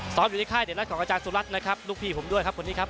อยู่ในค่ายเดรัสของอาจารย์สุรัตน์นะครับลูกพี่ผมด้วยครับคนนี้ครับ